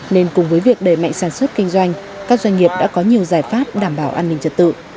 nên cùng với việc đẩy mạnh sản xuất kinh doanh các doanh nghiệp đã có nhiều giải pháp đảm bảo an ninh trật tự